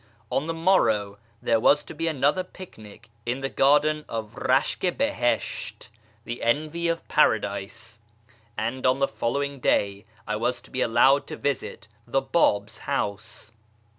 On the morrow there was to be another picnic in the garden of Mashk i Bihislit ("the Envy of Paradise"), and on the following day I was to be allowed to visit the Bab's house.